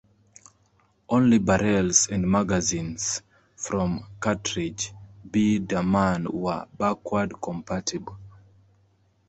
Only barrels and magazines from Cartridge B-Daman were backwards compatible.